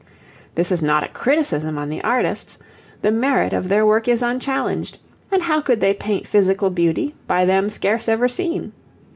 This is not a criticism on the artists. The merit of their work is unchallenged; and how could they paint physical beauty by them scarce ever seen?